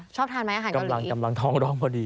ชอบทานไหมอาหารกำลังท้องร้องพอดี